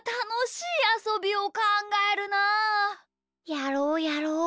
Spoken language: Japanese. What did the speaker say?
やろうやろう。